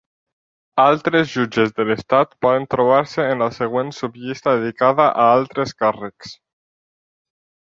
Altres jutges de l'estat poden trobar-se en la següent subllista dedicada a Altres càrrecs.